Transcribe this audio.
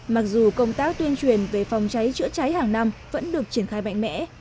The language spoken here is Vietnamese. mặc dù công tác tuyên truyền về phòng cháy chữa cháy hàng năm vẫn được triển khai mạnh mẽ